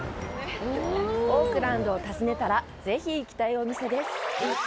オークランドを訪ねたら、ぜひ行きたいお店です！